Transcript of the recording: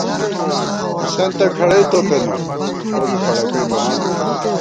ݪِسنتہ کھڑَئی تو پېنہ، تو بی فڑَکئی بَمان